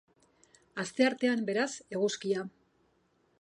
Asteartean, beraz, eguzkia.